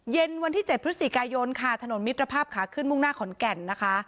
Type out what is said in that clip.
เย็นวันที่๗พฤศจิกายนค่ะถนนมิตรภาพขาขึ้นมุ่งหน้าขอนแก่นนะคะ